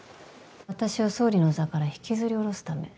私を総理の座から引きずり降ろすため。